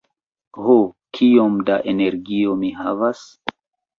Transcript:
Ho, kiom da energio mi havas?